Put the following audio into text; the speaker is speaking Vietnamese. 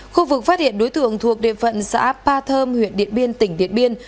khu vực phát hiện đối tượng thuộc địa phận xã pa thơm huyện điện biên tỉnh điện biên